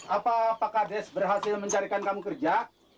apa pak kandis berhasil mencarikan kamu kerja